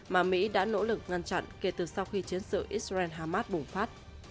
mà mỹ đã nỗ lực ngăn chặn kể từ sau khi chiến sự israel hamas bùng phát